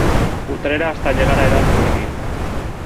Utrera hasta llegar a edad juvenil.